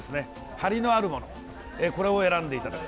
ハリのあるものを選んでいただく。